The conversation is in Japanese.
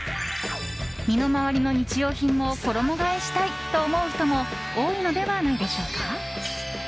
身の回りの日用品も衣替えしたいと思う人も多いのではないでしょうか。